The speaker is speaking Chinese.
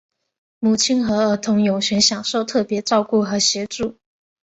母亲和儿童有权享受特别照顾和协助。